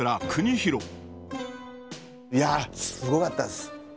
いやすごかったです。